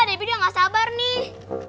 debbie dia gak sabar nih